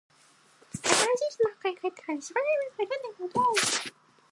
新しいスマホに変えてから、写真綺麗に撮れるようになった。